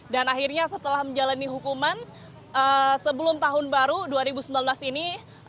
dan akhirnya setelah menjalani hukuman sebelum tahun baru dua ribu sembilan belas ini